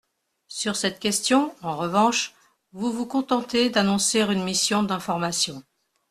Sur cette question, en revanche, vous vous contentez d’annoncer une mission d’information.